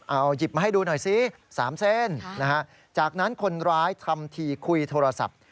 เอาหยิบมาให้ดูหน่อยซิ๓เส้นนะฮะจากนั้นคนร้ายทำทีคุยโทรศัพท์